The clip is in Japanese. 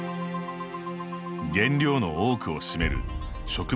原料の多くを占める植物